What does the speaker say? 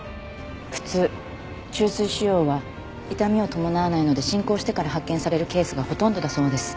普通虫垂腫瘍は痛みを伴わないので進行してから発見されるケースがほとんどだそうです。